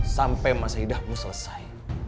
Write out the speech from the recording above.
sampai masa idahmu selesai